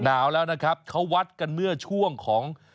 หนาวแล้วนะครับเขาวัดกันเมื่อช่วงของ